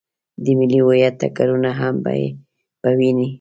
د ملي هویت ټکرونه هم په ويني.